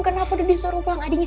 kenapa disuruh pulang adiknya